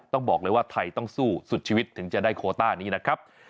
ต้องบอกเลยว่าไทยต้องสู้สุดชีวิตถึงจะได้โคต้านี้นะครับ